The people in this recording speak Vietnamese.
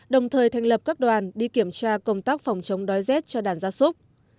đồng thời thành lập các đoàn đi kiểm tra công tác phòng chống đói rét cho đàn gia súc